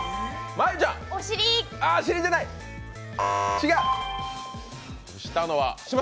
違う！